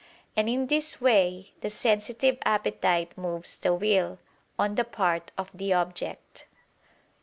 And in this way, the sensitive appetite moves the will, on the part of the object.